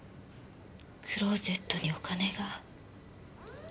クローゼットにお金が。